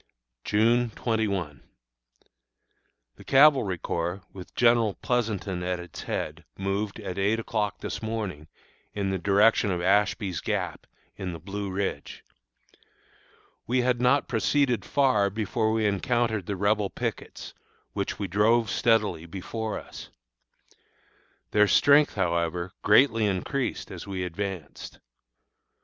June 21. The Cavalry Corps, with General Pleasonton at its head, moved, at eight o'clock this morning, in the direction of Ashby's Gap, in the Blue Ridge. We had not proceeded far before we encountered the Rebel pickets, which we drove steadily before us. Their strength, however, greatly increased as we advanced.